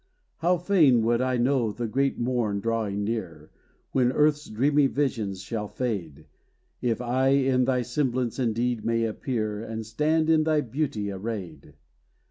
How fain would I know the great morn drawing near, When earth's dreamy visions shall fade, If I in thy semblance indeed may appear, And stand in thy beauty arrayed!